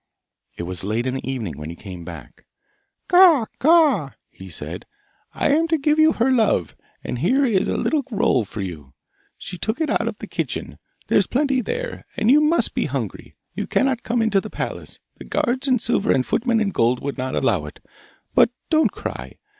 It was late in the evening when he came back. 'Caw, caw!' he said, 'I am to give you her love, and here is a little roll for you. She took it out of the kitchen; there's plenty there, and you must be hungry. You cannot come into the palace. The guards in silver and the footmen in gold would not allow it. But don't cry!